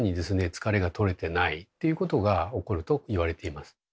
疲れが取れてないっていうことが起こると言われています。